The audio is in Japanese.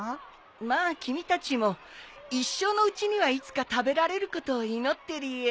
まあ君たちも一生のうちにはいつか食べられることを祈ってるよ。